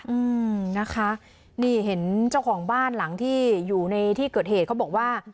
อืมนะคะนี่เห็นเจ้าของบ้านหลังที่อยู่ในที่เกิดเหตุเขาบอกว่า